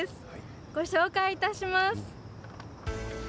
ご紹介いたします。